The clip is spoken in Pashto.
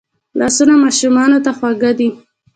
لاسونه ماشومانو ته خواږه دي